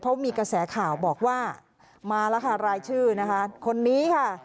เพราะมีกระแสข่าวบอกว่ามาแล้วค่ะรายชื่อนะคะคนนี้ค่ะ